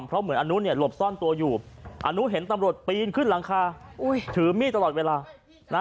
เลยวันไปเลยบ้าง